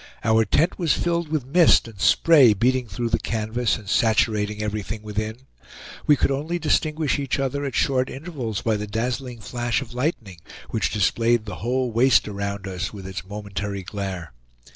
Our tent was filled with mist and spray beating through the canvas, and saturating everything within. We could only distinguish each other at short intervals by the dazzling flash of lightning, which displayed the whole waste around us with its momentary glare.